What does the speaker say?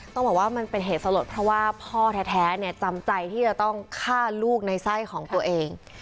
ต้องบอกว่ามันเป็นเหตุสลดเพราะว่าพ่อแท้จำใจที่จะต้องฆ่าลูกในไส้ของตัวเอง